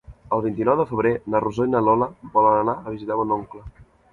El vint-i-nou de febrer na Rosó i na Lola volen anar a visitar mon oncle.